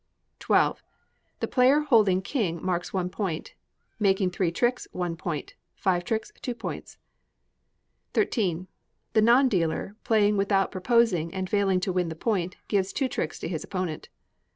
xii. The player holding king marks one point; making three tricks, one point; five tricks, two points. xiii. The non dealer playing without proposing and failing to win the point, gives two tricks to his opponent.